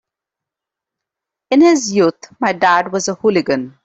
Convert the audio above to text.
In his youth my dad was a hooligan.